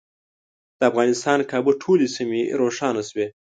د افغانستان کابو ټولې سیمې روښانه شوې.